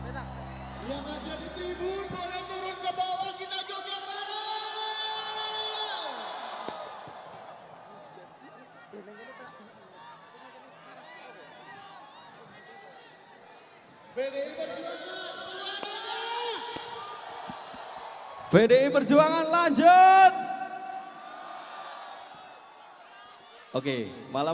langsung aja kita mulai